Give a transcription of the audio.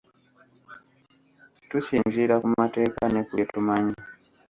Tusinziira ku mateeka ne ku bye tumanyi.